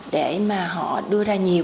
để mà họ đưa ra nhiều